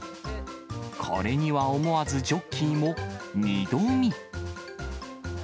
これには思わずジョッキーも二度見。